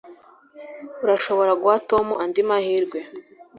Urashobora guha Tom andi mahirwe?